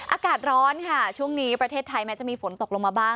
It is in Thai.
อากาศร้อนค่ะช่วงนี้ประเทศไทยแม้จะมีฝนตกลงมาบ้าง